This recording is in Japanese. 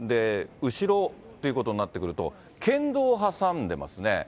後ろということになってくると、県道を挟んでますね。